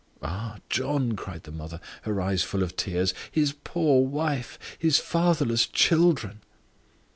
"Oh, John," cried the mother, her eyes full of tears; "his poor wife his fatherless children!"